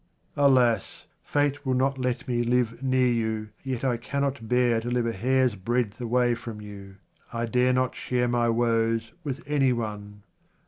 ALAS ! fate will not let me live near you, yet I cannot bear to live a hair's breadth away from you. I dare not share my woes with any one.